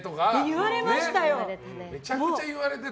言われましたよ！